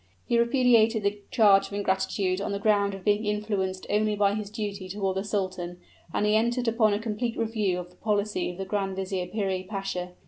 He repudiated the charge of ingratitude on the ground of being influenced only by his duty toward the sultan; and he entered upon a complete review of the policy of the Grand Vizier Piri Pasha.